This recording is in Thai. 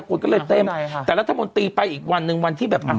คนก็เลยเต้นใช่ค่ะแต่รัฐมนตรีไปอีกวันหนึ่งวันที่แบบอ่ะ